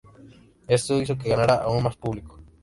Esto hizo que ganara aún más público.